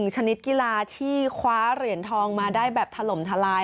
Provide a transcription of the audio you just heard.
ชนิดกีฬาที่คว้าเหรียญทองมาได้แบบถล่มทลาย